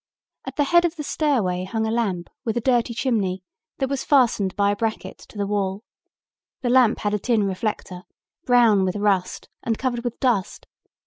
At the head of the stairway hung a lamp with a dirty chimney that was fastened by a bracket to the wall. The lamp had a tin reflector, brown with rust and covered with dust.